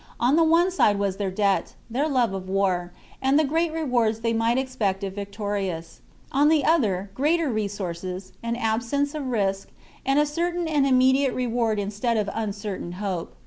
On the one side was their debt, their love of war, and the great rewards they might expect if victorious ; on the other, greater resources, an absence of risk, and a certain and immediate reward instead of uncertain hope.